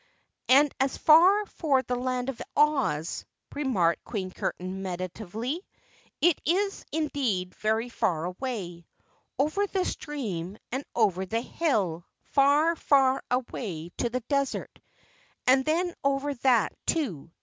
"And as for the Land of Oz," remarked Queen Curtain meditatively, "it is indeed very far away over the stream and over the hill far, far away to the desert, and then over that, too.